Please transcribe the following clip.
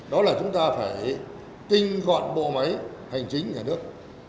đó là chúng ta phải tinh gọn bộ máy hành chính nhà nước